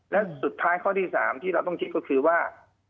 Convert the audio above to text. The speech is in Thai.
และสุดท้ายข้อที่๓ที่เราต้องคิดก็คือว่า